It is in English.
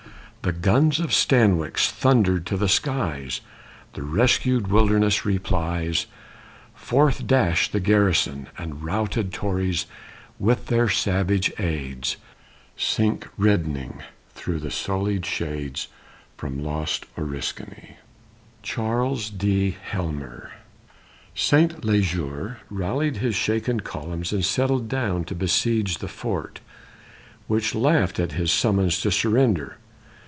The guns of Stanwix thunder to the skies; The rescued wilderness replies; Forth dash the garrison! And routed Tories, with their savage aids, Sink reddening through the sullied shades From lost Oriskany. CHARLES D. HELMER. Saint Leger rallied his shaken columns and settled down to besiege the fort, which laughed at his summons to surrender.